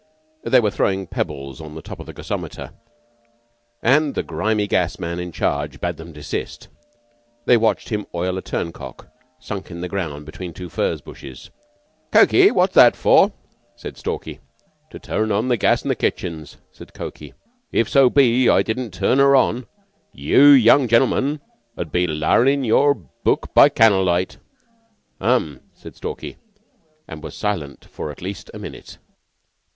They were throwing pebbles on the top of the gasometer, and the grimy gas man in charge bade them desist. They watched him oil a turncock sunk in the ground between two furze bushes. "Cokey, what's that for?" said Stalky. "To turn the gas on to the kitchens," said Cokey. "If so be I didn't turn her on, yeou young gen'lemen 'ud be larnin' your book by candlelight." "Um!" said Stalky, and was silent for at least a minute.